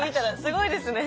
すごいですね。